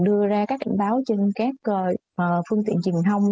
đưa ra các cảnh báo trên các phương tiện truyền thông